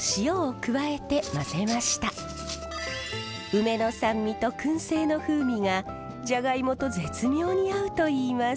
梅の酸味とくんせいの風味がジャガイモと絶妙に合うといいます。